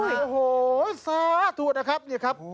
โอ้โฮสาธุนะครับ